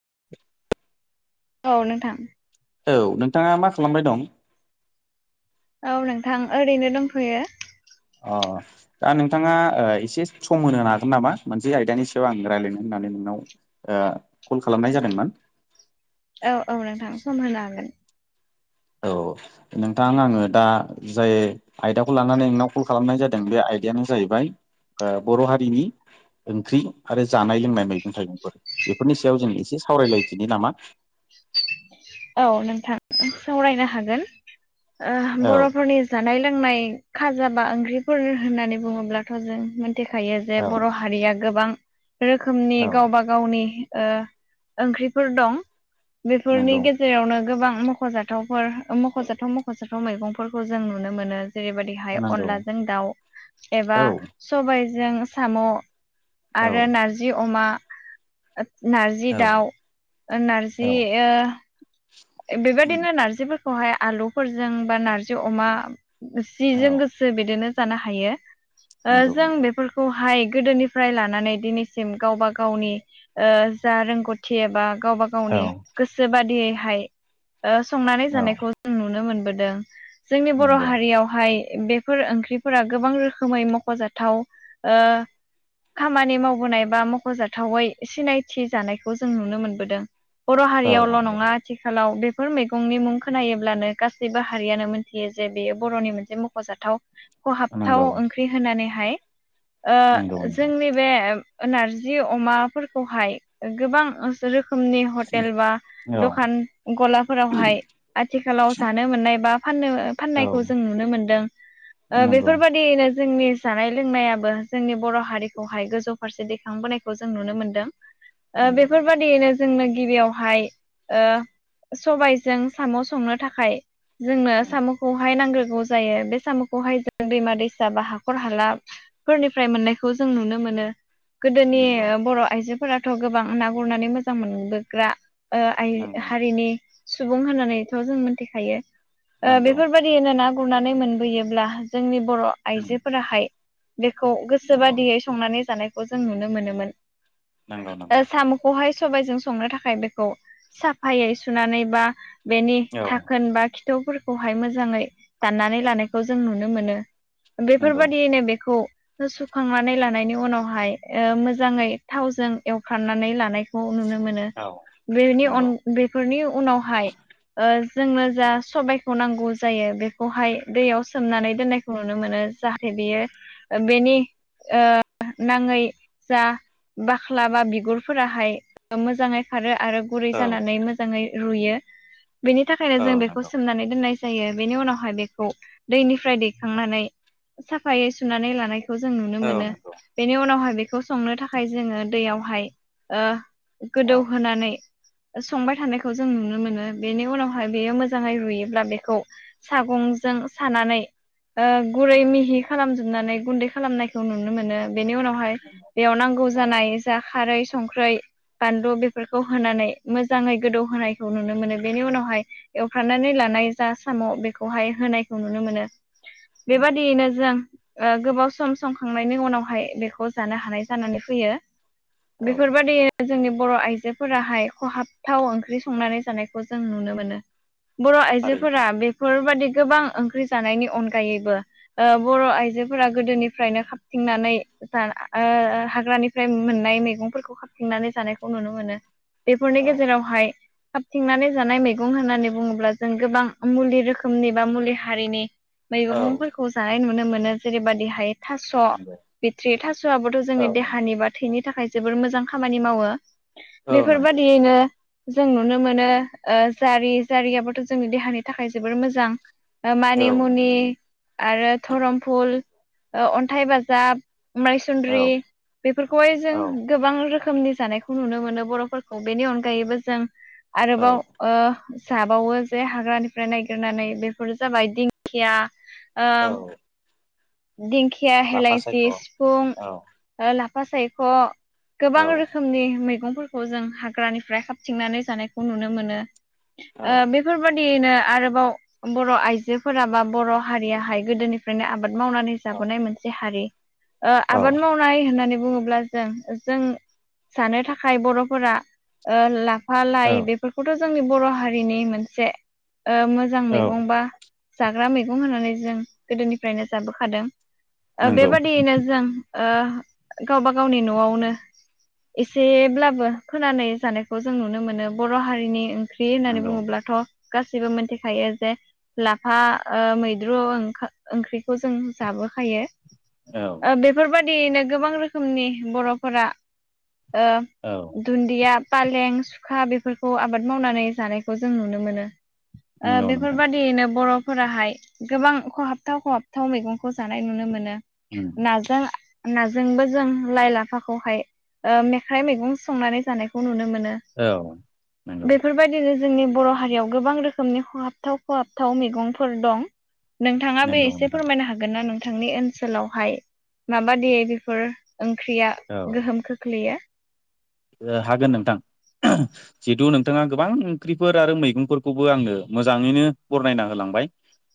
[inaudible] औ नोंथां औ नोंथाङा मा खालामबाय दं? औ नोंथां ओरैनो दंथ'यो। अह दा नोंथाङा ओ एसे सम होनो हागोन नामा मोनसे आयदानि सायाव आं रायलायनो हो नानै नोंनाव ओ कल खालामनाय जादोंमोन। औ औ नोंथां सम होनो हागोन। औ नोंथां आङो दा जाय आयदाखौ लानानै नोंनाव कल खालामनाय जादों बे आय दायानो जाहैबाय ओ बर' हारिनि ओंख्रि आरो जानाय लोंनाय मैगं थाइगंफोर बेफोरनि सायाव जों एसे सावरायलायदिनि नामा [inaudible] औ नोंथां सावरायनो हागोन ओ औ बर'फोरनि जानाय लों नाय खाजाबा ओंख्रिफोर होननानै बुङोब्लाथ' जों थिखायो जे औ बर' हारिया गोबां रोखोमनि औ गावबा गावनि ओ ओंख्रिफोर दं बेफोरनि नंगौ गेजे रावनो गोबां मख'जाथावफोर मख'जाथाव मख'जाथाव मैगंफोरखौ जों नुनो मोनो। जेरैबायदिहाय नंगौ अनलाजों दाउ एबा औ सबाइजों साम' औ आरो नारजि अमा नारजि औ दाउ नारजि औ ओ बेबायदिनो नार्जि फोरखौहाय आलुफोरजों बा नारजि अमा औ सिजों गोसो बिदिनो जानो हायो ओ नंगौ जों नोंथां बेफोरखौ बाहाय गोदोनिफ्राय लानानै दिनैसिम गावबा गावनि ओ जा रोंगौथि एबा गावबा औ गावनि गोसो बादियैहाय ओ संनानै औ जानायखौ जों नुनो मोन बोदों जोंनि बर' नंगौ औ हारियावहाय बेफोर ओंख्रिफोरा गोबां रोखोमै मख'जाथाव ओ खामानि मावबोनाय बा मख'जाथावै सिनायथि जानायखौ जों नुनो मोनबोदों। बर' नंगौ हारियावल' नङा खालाव बेफोर मैगंनि मुं खोनायोब्लानो गासैबो हारियानो मोनथियो जे बेयो बर'नि मोनसे मख'जा थाव नंगौ खहाबथाव ओंख्रि होनानैहाय ओ नंगौ नंगौ जोंनि बे नारजि अमाफोरखौहाय गोबां रो खोमनि हटेल बा औ दखान गलाफोरावहाय आथिखालाव जानो मोननाय बा फाननो औ फाननायखौ जों नुनो मोनदों ओ नंगौ बेफोरबायदिनो जोंनि जानाय लोंनायाबो जोंनि बर' हारिखौहाय गोजौ फारसे दैखांबोनायखौ जों नुनो मोनदों। ओ नंगौ नोंथां बेफोरबादियैनो जोंनो गिबियावहाय ओ सबायजों साम' संनो थाखाय जोंनो उम साम'खौहाय नांग्रो जायो बे साम'खौहाय जों दैमा दैसा बा हाखर हाला फोरनिफ्राय मोननायखौ जों नुनो मोनो। नों गोदोनि नंगौ बर' आइजोफोराथ' गोबां ना गुरनानै मोजां मोनबोग्रा आय नंगौ हारिनि सुबुं होननानैथ' जों मिथिखायो ओ नंगौ बेफोरबायदियैनो गुरनानै मोनबोयोब्ला जोंनि बर' उम आइजोफोराहाय बेखौ नंगौ गोसोबादियै संनानै जानायखौ जों नुनो मोनोमोन। नंगौ ओ नंगौ साम'खौहाय सबबायजों संनो थाखाय बेखौ साफायै सुनानै बा बेनि औ थाखोन बा खिथावफोर खौहाय मोजाङै दाननानै लानायखौ जों नुनो मोनो नंगौ बेफोरबायदियैनो बेखौ । सुखांनानै लानायनि उनावहाय ओ मोजाङै थावजों एवखांनानै लानाय खौ नुनो मोनो औ बेनि अन नंगौ बेफोरनि उनावहाय जोंनो जा सबायखौ नांगौ जायो बेखौहाय दैयाव सोमनानै दोननायखौ नुनो मोनो जाहाथे बियो बेनि ओ नाङै जा बाख्ला बा बिगुरफोराहाय मोजाङै खारो आरो गुरै औ जानानै मोजाङै रुयो बेनि थाखायनो औ जों बेखौ नंगौ सोमनानै दोननाय जा -यो बेनि उनावहाय बेखौ दैनिफ्राय दैखांनानै साफायै सुनानै लानाय खौ जों नुनो औ मोनो नंगौ बेनि उनावहाय बेखौ संनो थाखाय जोङो दैयावहाय ओ औ गोदौहोनानै संबाय थानायखौ जों नुनो मोनो बेनि उनावहाय बेयो मोजाङै रुयोब्ला बेखौ सागं जों सानानै ओ गुरै मिहि खालामजोबनानै गुन्दै खालामनायखौ नुनो मोनो बेनि उनावहाय बेयाव नांगौ जानाय जा खारै संख्रै बानलु बेफोरखौ होनानै मोजाङै गोदौ होनायखौ नुनो मोनो बेनि उनावहाय एवफ्रामनानै लानाय जा साम बेखौहाय होनायखौ नुनो मोनो नंगौ बेबादियैनो जों गोबाव सम संखांनायनि उनावहाय बेखौ जानो हानाय जानानै फैयो औ नंगौ बेफोरबायादिनो जोंनि बर आइजोफोराहाय खहाबथाव ओंख्रि संनानै जानायखौ जों नुनो मोनो बर थारैनो आइजोफोरा बेफोरबायदि गोबां ओंख्रि जानायनि अनगायैबो बर आइजोफोरा गोदोनिफ्रायनो खाबथिंनानै ओ हाग्रानिफ्राय मोननाय मैगंफोरखौ खाथिंनानै जानायखौ नुनो मोनो बेफोरनि औ गेजेरावहाय खाबथिंनानै जानाय मैगं होननानै बुङोब्ला जों गोबां मुलि रोखोमनि बा मुलि हारिनि औ मैगंफोरखौ जानाय नुनो मोनो जेरैबादिहाय थास' नंगौ बिथ्रि थासआबोथ औ जोंनि नंगौ देहानि बा थैनि थाखाय जोबोर मोजां खामानि मावो । औ नंगौ बेफोरबादियैनो जों नुनो मोनो ओ जारि जारियाबोथ जोंनि देहानि थाखाय जोबोर मोजां औ मानिमुनि नंगौ आरो धरमफुल अन्थाइ बाजाब औ मायसन्द्रि बेफोरखौहाय जों औ गोबां रोखोमनि जानायखौ नुनो मोनो बरफोरखौ बेनि अनगायैबो जों औ आरोबाव ओ जाबावो जे हाग्रानिफ्राय नायागिरनानै बेफोरो जाबाय दिंखिया आ औ दिंखिया लाफा सायख' हेलांसि औ सिफुं औ लाफा सायख औ गोबां रोखोमनि मैगंफोरखौ जों हाग्रानिफ्राय खाबथिंनानै जानायखौ नुनो मोनो औ आ बेफोरबायदि -यैनो आरोबाव बर आइजोफोरा बा बर हारियाहाय गोदोनिफ्रायनो आबाद मावनानै औ जाबोनाय मोनसे हारि ओ आबाद मावनाय होननानै बुङोब्ला जों जों सानो थाखाय बरफोरा ओ ला- -फा औ लाइ बेफोरखौथ जोंनि बर हारिनि मोनसे मोजां औ मैगं बा जाग्रा मैगं होननानै जों गोदोनिफ्रायनो जाबोखादों नंगौ बेबादियैनो जों ओ गावबा गावनि नआवनो एसेब्लाबो खोनानाय जानायखौ जों नुनो मोनो बर' हारिनि ख्रि होननानै नंगौ बुङोब्लाथ गासैबो मोनथिखायो जे लाफा ओ मैद्रु ओं ओंख्रि खौ जों जाबोखायो औ ओ बेफोरबादिनो गोबां रोखोमनि बरफोरा ओ औ दुन्दिया फालें सुखा बेफोरखौ आबाद मावनानै जानायखौ जों नुनो मोनो ओ नंगौ नोंथां बेफोरबादियैनो बरफोराहाय गोबां खहाबथाव खहाब- थाव मैगंखौ जानाय नुनो मोनो उम नाजों नाजोंबो जों लाइ लाफाखौहाय ओ मेख्राइ मैगं संनानै जानायखौ नुनो मोनो औ नंगौ बेफोरबायदि जोंनि बर हारियाव गोबां रोखोमनि खहाबथाव खहाबथाव मैगंफोर दं नोंथाङा बे नंगौ एसे नोंथां फोरमायनो हागोन ना नोंथांनि ओनसोलाव हाय माबादियै बेफोर? ओंख्रिया औ गोहोम खोख्लैयो ओ हागोन नोंथां। जिहेतु नोंथाङा गोबां ओंख्रिफोर आरो मैगंफोरखौबो आंनो मोजाङैनो बरनायना होलां हामबाय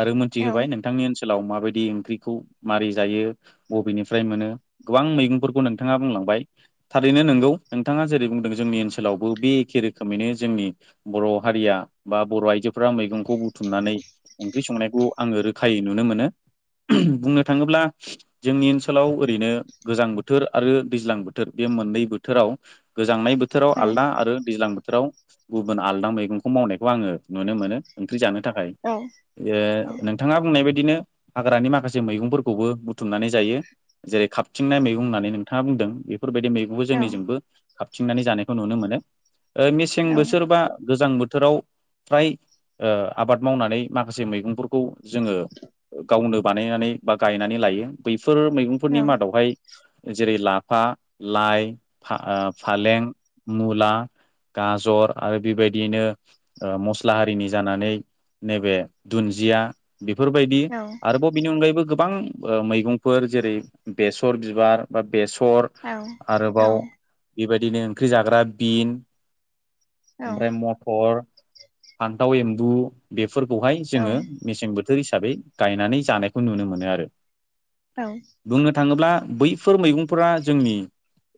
आरो मोनथि औ होबाय नोंथांनि सोलाव माबायदि ओंख्रिखौ मारै जायो बबेनिफ्राय मोनो गोबां मैगंफोरखौ नोंथाङा बुंलां बाय थारैनो नोंगौ नोंथाङा जेरै बुंदों जोंनि ओनसोलावबो बे एखे रोखोमैनो जोंनि बर‌ हारिया बा बर आइजो बेफ्रा मैगंखौ बुथुमनानै ओंख्रि संनायखौ आङो रोखायै नुनो मोनो बुंनो थाङोब्ला जोंनि ओनसोलाव ओरैनो गोजां बोथोर आरो दैज्लां बोथोर बे मोननै बोथोराव गोजांनाय बोथोराव आलदा आरो दैज्लां बोथ राव गुबुन आलदा मैगंखौ मावनायखौ आङो नुनो मोनो ओंख्रि जानो थाखाय औ ओ नोंथाङा बुंनाय बाय बिदिनो हाग्रानि माखासे मैगंफोरखौबो बुथुमनानै जायो जेरै खाबथिंनाय मैगं होननानै नोंथाङा बुंदों बेफोरबायदि मै औ जोंनिजोंबो खाबथिंनानै जानायखौ नुनो मोनो ओ मेसें औ बोसोरबा गोजां बोथ थोराव फ्राय ओ आबाद मावनानै माखासे मैगंफोरखौ जोङो गावनो बानायनानै बा गायनानै लायो बै फोर मैगंफोरनि औ मादावहाय जेरै लाफा लाइ फा आ फालें मुला गाजर आरो बेबायदियैनो ओ मस्ला हारिनि जानानै नैबे दुन्जिया बेफोरबायदि औ आरोबाव बिनि अनगायैबो गोब बां ओ मैगंफोर जेरै बेसर बिबार बा बेसर औ औ आरोबाव बेबायदिनो ओंख्रि जाग्रा बिन औ ओमफ्राय मटर फान्थाव एम्बु बेफोरखौहाय औ जोङो मेसें बोथ थोर हिसाबै गायनानै जानायखौ नुनो मोनो आरो बुंनो थाङोब्ला बैफोर मैगंफोरा जोंनि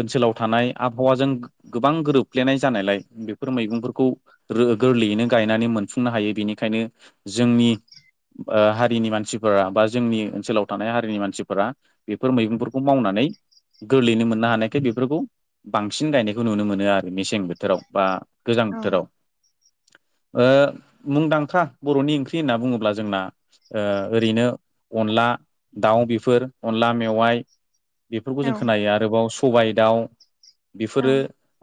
ओनसोलाव थानाय आबहावाजों गोबां गोरोबफ्लेनाय जानायलाय बेफोर मैगंफोरखौ रो गोरलैयैनो गायनानै मोनफुंनो हायो बेनिखायनो जोंनि ओ हारिनि मानसिफोरा बा जोंनि ओनसोलाव थानाय हारिनि मानसिफोरा बेफोर मैगंफोरखौ मावना नै गोरलैयैनो मोननो हानायखाय बेफोरखौ बांसिन गायनायखौ नुनो मोनो आरो मेसें बोथोराव बा गोजां बोथोराव। ओ मुंदांखा बरनि ओंख्रि होनना बुङोब्ला जोंना ओ ओरैनो अनला दाउ बेफोर अनला मेवाइ बेफोरखौ जों खोनायो आरोबाव सबाय दाउ बेफोरो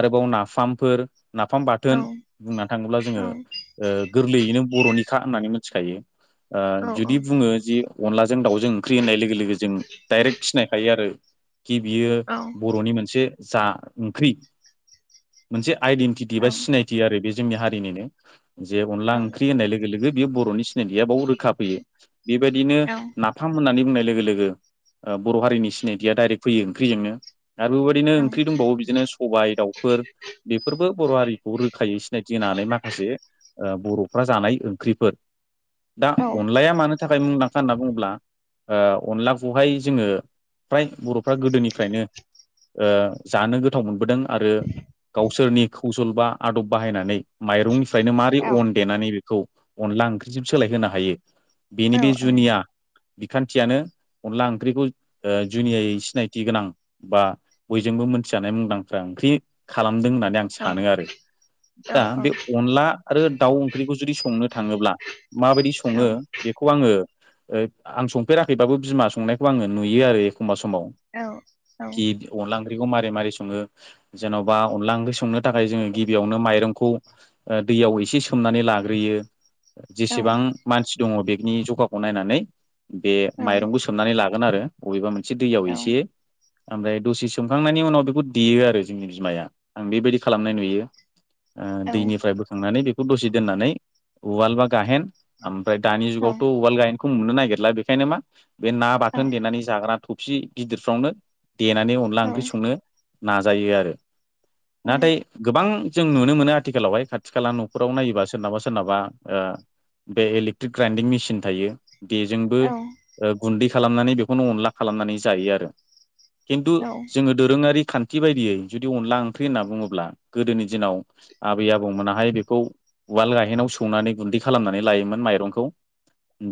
आरोबाव ना फामफोर नाफाम बाथोन बुंना थाङोब्ला जोङो ओ गोरलैयैनो बरनि खा होननानै मिथिखायो ओ जुदि बुङो जि अनलाजों दाउजों ओंख्रि होननाय लोगो लोगो जों दाइरेक्ट सिनायखायो आरो खि बियो बरनि मोनसे जा ओंख्रि मोनसे आइडेन्टिटि बा सिनायथि आरो बे जोंनि हारिनिनो जे अनला ओंख्रि होननाय लोगो लोगो बेयो बरनि सि नैबेहा बाव रोखा फैयो बेबायदिनो नाफाम होननानै बुंनाय लोगो लोगो ओ बर' हारिनि सिनायथिया दाइरेक्ट फै ओंख्रिजोंनो। आरो बेबायदिनो ओंख्रि दंबावो बिदिनो सबाय दाउफोर बेफोरबो बर' हारिखौ रोखायै सिनायथि होनानै माखासे बर'फ्रा जानाय ओंख्रिफोर दा अनलाया मानो थाखाय मुंदांखा होनना बुङोब्ला ओ अनलाखौहाय जोङो फ्राय बर'फ्रा गोदोनिफ्रायनो ओ जानो गोथाव मोनबोदों आरो गावसोरनि खोसल बा आदब बाहायनानै माइरंनि फ्रायनो माबारै अन देनानै बेखौ अनला ओंख्रिजों सोलायहोनो हायो बेनि बे जुनिया बिखान्थियानो अनला ओंख्रिखौ ओ जुनियायै सिनायथि गोनां बा बयजोंबो मोन थि जानाय मुंदांख्रा ओंख्रि खालामदों होननानै आं सानो आरो। दा बे अनला आरो दाउ ओंख्रिखौ जुदि संनो थाङोब्ला माबायदि सङो बेखौ आङो ओ आं संफेराखैबाबो बिमा संनायखौ आङो नुयो आरो। एखमबा समाव औ खि अनला ओं ख्रि मारै सङो जेन'बा अनला ओंख्रि संनो थाखाय जोङो गिबियावनो माइरंखौ ओ दैयाव एसे सोमनानै लाग्रोयो औ औ जेसेबां मानसि दङ' बेगनि ज'खाखौ नायनानै बे औ माइरंखौ सोमनानै लागोन आरो अबेबा मोनसे दैयाव एसे ओमबाय दसे सोमखांनाय नि उनाव बेखौ देयो आरो जोंनि बिमाया आं बेबायदि खालामनाय नुयो। आ औ दैनिफ्राय बोखांनानै बेखौ दसे दोननानै उवाल बा गाहेन ओम फाय दानि औ जुगावथ' उवाल गाहेनखौ नुनो नागिरला बेखायनो मा बे ना बाथोन देनानै जाग्रा थ'फि गिदिरफ्रावनो देनानै अनला ओंख्रि सं नाजायो आरो औ नाथाय गोबां जों नुनो मोनो आथिखालावहाय खाथि खाला न'खराव नायोबा सोरनावबा सोरनावबा ओ बे इलेक्ट्रिक ग्राइन्दिं मेसिन थायो। बेजोंबो ओ गुन्दै खालामनानै बेखौनो अनला खालामनानै जायो आरो। खिन्थु औ जोङो दोरोङारि खान्थि बायदियै जुदि अनला ओंख्रि होनना बुङोब्ला गोदोनि दिनाव आबै आबौ मोनाहाय बे खौ उवाल गाहेनाव सौनानै गुन्दै खालामनानै लायोमोन माइरंखौ।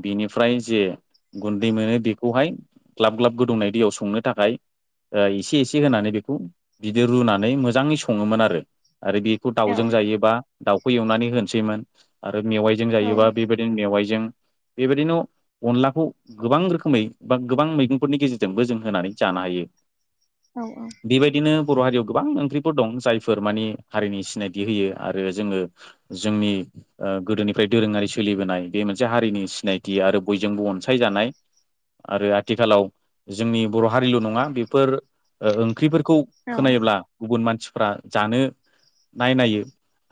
बिनिफ्राय जे गुन्दै मोनो बेखौहाय ग्लाब ग्लाब गोदौनाय दैयाव संनो थाखाय [inaudible] ओ इसे इसे होनानै बेखौ बिदि रुनानै मोजाङै सङोमोन आरो। आरो बेखौ दाउजों जायोबा दाउखौ एवनानै होनसैमोन। ओ मेवाइजों जायोबा बेबायदिनो मेवाइजों बेबायदिनो अनलाखौ गोबां रोखोमै बा गोबां मैगंफोरनि गेजेरजोंबो जों होनानै जा नो हायो बेबायदिनो बर' हारियाव गोबां ओंख्रिफोर दं जायफोर माने हारिनि सिनायथि होयो। आरो जोङो जोंनि ओ गोदोनिफ्राय दोरोङारि सोलिबोनाय बे मोनसे हारिनि सिनायथि आरो बयजोंबो अनसायजानाय आरो आथिखालाव जोंनि बर' हारिल' नङा बेफोर ओ ओंख्रिफोरखौ औ खोनायोब्ला गुबुन मानसिफ्रा जानो नायनायो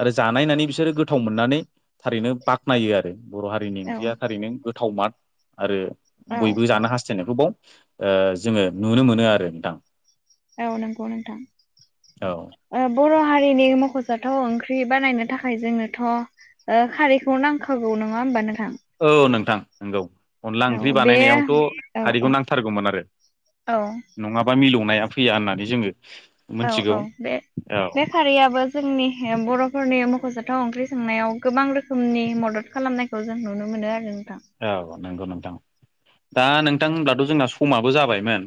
आरो जानायनानै बिसोरो गोथाव मोननानै थारैनो बाख्नायो आरो। बर' हारिनि ओंख्रिया थारैनो गोथाव माद आरो औ बयबो जानो हास्थायनायखौ बाव ओ जोङो नुनो मोनो आरो नोंथां। औ नंगौ नोंथां औ ओ बर' हारिनि मख' जाथाव ओंख्रि बानायनो थाखाय जोंनोथ' ओ खारैखौ नांखागौ नङा होमबा नों औ नोंथां नंगौ। अनला औ ओंख्रि बे बानायनायावथ' औ खारैखौ नांथारगौमोन आरो औ नङाबा मिलौनाया फैया होननानै जोङो औ मोनथिगौ औ बे औ बे खारियाबो जोंनि बर'फोरनि मख' थाव ओंख्रि संनायाव गोबां रोखोमनि मदद खालामनायखौ जों नुनो मोनो आरो। नोंथां औ नोंगौ नोंथां। दा नोंथां दाथ' जोंना समाबो जाबायमोन?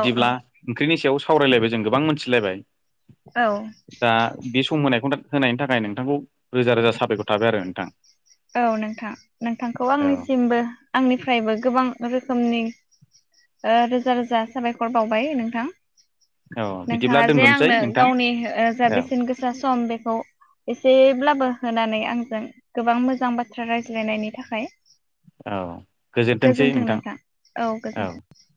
औ औ ओंख्रिनि सायाव सावरायलायबाय जों गोबां मोनथिलायबाय। औ दा बे सम होनायखौ [unintelligible] होनायनि थाखाय नोंथांखौ रोजा रोजा साबायखर थाबाय आरो नोंथां। औ नोंथां नोंथांखौ औ आंनिसिमबो आंनिफ्रायबो गोबां रोखोमनि ओ रोजा रोजा साबायखर बावबाय नोंथां। औ बिदिब्ला नोंथाङा जे दोनथ'नोसै आंनो नोंथां गावनि ओ जा औ बेसेन गोसा सम बेखौ एसे ब्लाबो होनानै आंजों गोबां मोजां बाथ्रा रायज्लायनायनि थाखाय। औ गोजोनथों नोंथां औ गोजोनथों ।